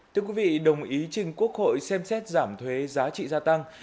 thưa quý vị đồng ý trình quốc hội xem xét giảm thuế giá trị gia tăng